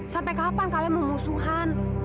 sampai kapan kalian mau musuhan